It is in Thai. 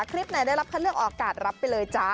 คลิปไหนได้รับคัดเลือกออกอากาศรับไปเลยจ๊ะ